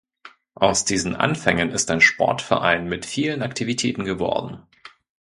Aus diesen Anfängen ist ein Sportverein mit vielen Aktivitäten geworden.